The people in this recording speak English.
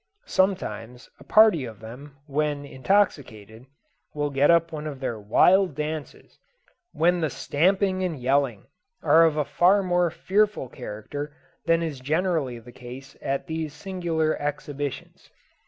Sometimes a party of them, when intoxicated, will get up one of their wild dances, when the stamping and yelling are of a far more fearful character than is generally the case at these singular exhibitions.